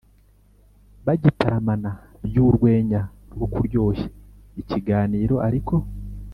bagitaramana, by'urwenya rwo kuryoshya ikiganiro, ariko